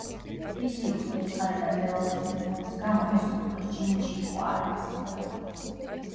ფი-სიუს მრისხანე და ძლევამოსილი ბრძოლის გამო, ის უძველეს ჩინეთში იყო არმიის სინონიმი.